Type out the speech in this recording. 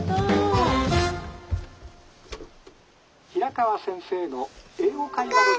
「平川先生の『英語会話』の」。